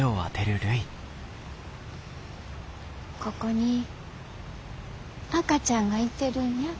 ここに赤ちゃんがいてるんや。